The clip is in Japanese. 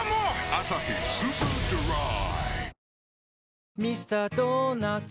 「アサヒスーパードライ」